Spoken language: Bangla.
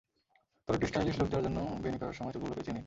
তবে একটু স্টাইলিশ লুক দেওয়ার জন্য বেণি করার সময় চুলগুলো পেঁচিয়ে নিন।